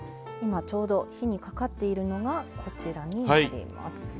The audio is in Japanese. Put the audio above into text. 今ちょうど火にかかっているのがこちらになります。